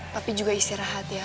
papi juga istirahat ya